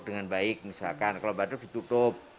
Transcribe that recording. dengan baik misalkan kalau batuk ditutup